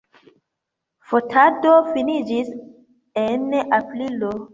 Fotado finiĝis en aprilo.